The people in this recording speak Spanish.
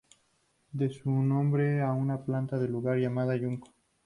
Debe su nombre a una planta del lugar llamada "Junco".